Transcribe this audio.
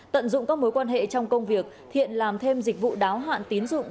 tận dụng các mối quan hệ trong công việc thiện làm thêm dịch vụ đáo hạn tín dụng